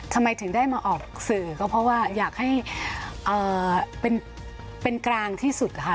ทำไมถึงได้มาออกสื่อก็เพราะว่าอยากให้เป็นกลางที่สุดค่ะ